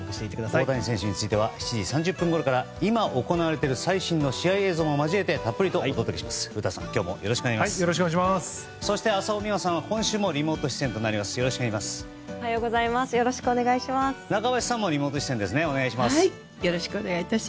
大谷選手については７時３０分ごろから今、行われている最新の試合映像も交えてたっぷりとお届けします。